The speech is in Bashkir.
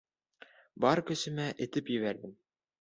Бар көсөмә этеп ебәрҙем.